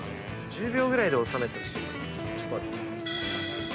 １０秒ぐらいで収めてほしい。